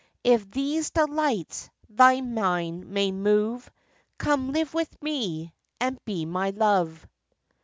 If these delights thy mind may move, Come live with me and be my love.